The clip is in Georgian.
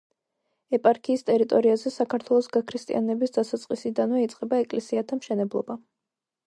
ეპარქიის ტერიტორიაზე საქართველოს გაქრისტიანების დასაწყისიდანვე იწყება ეკლესიათა მშენებლობა.